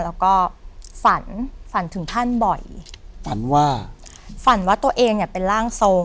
แล้วก็ฝันฝันถึงท่านบ่อยฝันว่าฝันว่าตัวเองเนี่ยเป็นร่างทรง